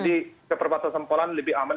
jadi ke perbatasan polan lebih aman